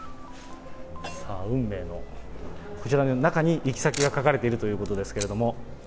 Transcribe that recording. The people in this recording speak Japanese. さあ、運命の、こちらの中に行き先が書かれているということですけれども。